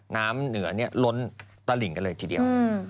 น้ำเหนือล้นตลิ่งกันเลยทีเดียว